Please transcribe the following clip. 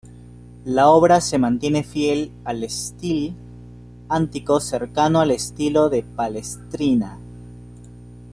La obra se mantiene fiel al Stile Antico cercano al estilo de Palestrina.